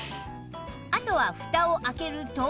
あとはフタを開けると